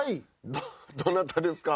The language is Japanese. どどなたですか？